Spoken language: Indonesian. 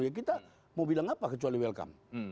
ya kita mau bilang apa kecuali welcome